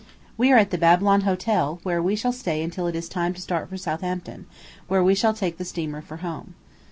We are at the Babylon Hotel, where we shall stay until it is time to start for Southampton, where we shall take the steamer for home.